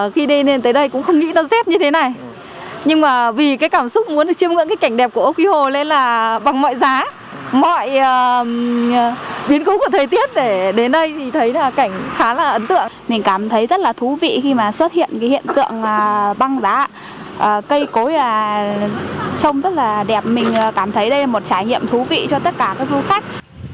cây cối trông rất là đẹp mình cảm thấy đây là một trải nghiệm thú vị cho tất cả các du khách